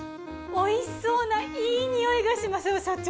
おいしそうないい匂いがしますよ社長。